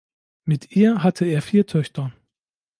Mit ihr hatte er vier Töchter.